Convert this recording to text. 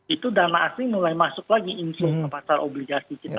itu dana asing mulai masuk lagi inflow ke pasar obligasi kita